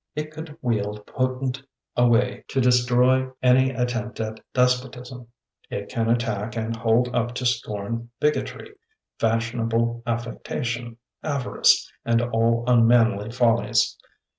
It could wield potent sway to destroy any at tempt at despotism — it can attack and hold up to scorn bigotry, fashionable affectation, avarice and all unmanly follies.